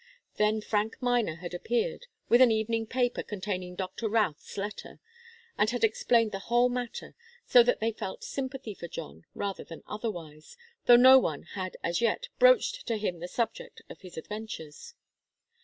Then Frank Miner had appeared, with an evening paper containing Doctor Routh's letter, and had explained the whole matter, so that they felt sympathy for John rather than otherwise, though no one had as yet broached to him the subject of his adventures.